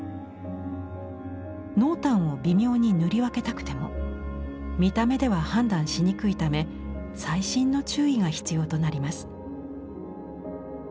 濃淡を微妙に塗り分けたくても見た目では判断しにくいため細心の注意が必要となります。